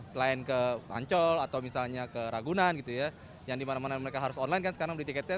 selain ke ancol atau misalnya ke ragunan gitu ya yang dimana mana mereka harus online kan sekarang beli tiketnya